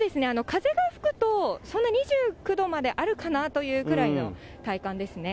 風が吹くと、そんな２９度まであるかなというくらいの体感ですね。